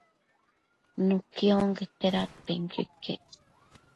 nuqui onquete dadpenquio iquec